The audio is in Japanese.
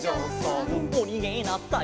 「おにげなさい」